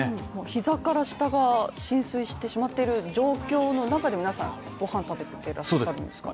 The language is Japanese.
膝から下が浸水してしまっている状況の中で皆さん、ごはん食べていらっしゃるんですか。